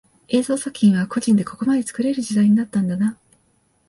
映像作品は個人でここまで作れる時代になったんだな